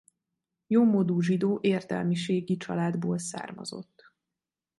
Jómódú zsidó értelmiségi családból származott.